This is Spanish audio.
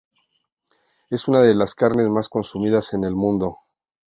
Es una de las carnes más consumidas en el mundo.